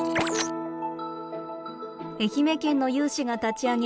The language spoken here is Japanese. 愛媛県の有志が立ち上げ